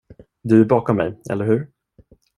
Du är bakom mig, eller hur?